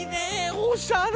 おしゃれ！